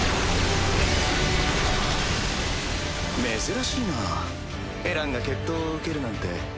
珍しいなエランが決闘を受けるなんて。